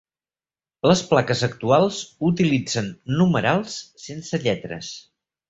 Les plaques actuals utilitzen numerals sense lletres.